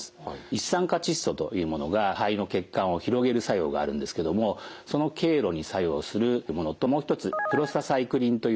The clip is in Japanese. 一酸化窒素というものが肺の血管を広げる作用があるんですけどもその経路に作用するものともう一つプロスタサイクリンというですね